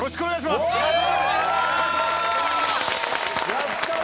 やったね！